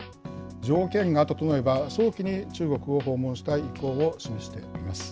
条件が整えば、早期に中国を訪問したい意向を示しています。